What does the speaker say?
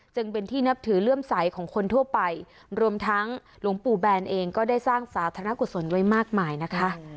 จึงเป็นที่นับถือเลื่อมใสของคนทั่วไปรวมทั้งหลวงปู่แบนเองก็ได้สร้างสาธารณกุศลไว้มากมายนะคะ